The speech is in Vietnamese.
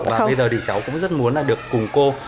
và bây giờ thì cháu cũng rất muốn là được cùng cô